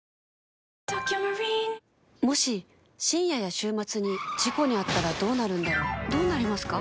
もし深夜や週末に事故に遭ったらどうなるんだろうどうなりますか？